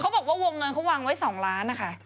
บอกว่าวงเงินเขาวางไว้๒ล้านนะคะ